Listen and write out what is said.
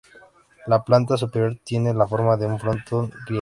La planta superior tiene la forma de un frontón griego.